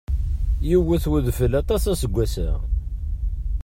Yewwet udeffel aṭaṣ aseggas-a.